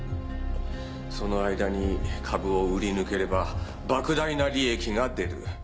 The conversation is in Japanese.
その間に株を売り抜ければ莫大な利益が出る。